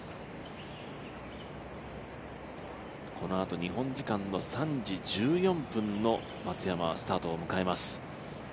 このあと日本時間の３時１４分の松山、スタートを迎えます。